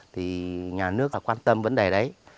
thì nhà nước là quan tâm vấn đề đấy